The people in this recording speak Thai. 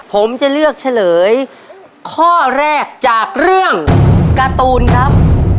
ผมจะเลือกเฉลยข้อแรกจากเรื่องการ์ตูนครับ